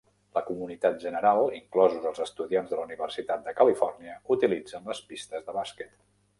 La comunitat general, inclosos els estudiants de la Universitat de Califòrnia, utilitzen les pistes de bàsquet.